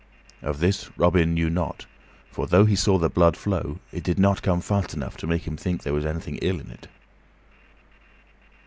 Of this Robin knew not; for, though he saw the blood flow, it did not come fast enough to make him think that there was anything ill in it.